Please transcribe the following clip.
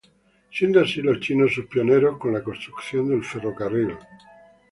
Siendo así los chinos sus pioneros, con la construcción del ferrocarril.